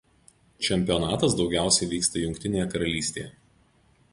Čempionatas daugiausiai vyksta Jungtinėje Karalystėje.